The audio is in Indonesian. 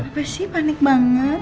apa sih panik banget